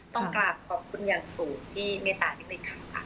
ต้องกราบขอบคุณอย่างสูงที่เมตตา๑๑ครั้งค่ะ